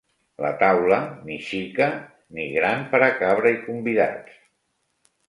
La taula ni xica ni gran pera cabre-hi convidats;